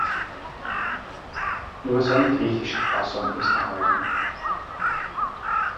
Nur seine griechische Fassung ist erhalten.